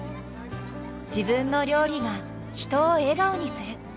自分の料理が人を笑顔にする。